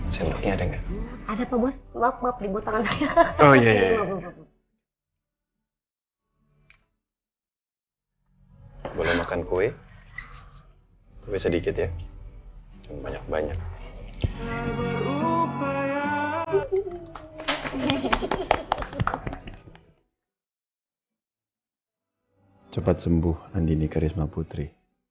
cepat sembuh nandini karisma putri